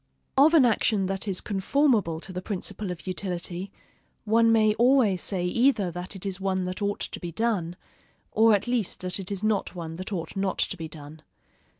Of an action that is conformable to the principle of utility, one may always say either that it is one that ought to be done, or at least that it is not one that ought not to be done.